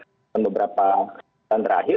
dalam beberapa kesempatan terakhir